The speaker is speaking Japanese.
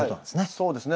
そうですね。